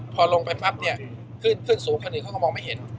พอลงไปปั๊บเนี่ยขึ้นขึ้นสูงคันอื่นเขาก็มองไม่เห็น